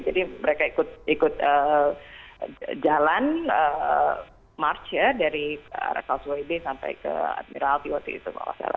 jadi mereka ikut jalan march ya dari rsswb sampai ke admiralty waktu itu